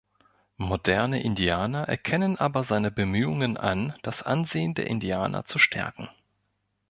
Moderne Indianer erkennen aber seine Bemühungen an, das Ansehen der Indianer zu stärken.